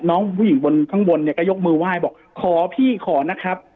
น้องผู้หญิงบนข้างบนเนี่ยก็ยกมือไหว้บอกขอพี่ขอนะครับ